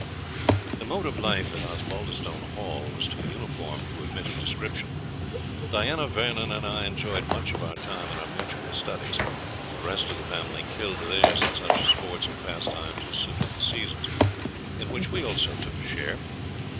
The mode of life at Osbaldistone Hall was too uniform to admit of description. Diana Vernon and I enjoyed much of our time in our mutual studies; the rest of the family killed theirs in such sports and pastimes as suited the seasons, in which we also took a share.